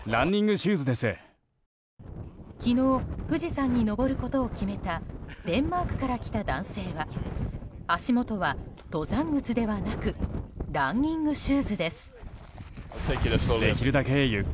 昨日富士山に登ることを決めたデンマークから来た男性は足元は登山靴ではなくランニングシューズです。